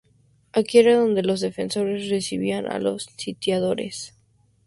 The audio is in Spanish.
Aquí era donde los defensores recibían a los sitiadores.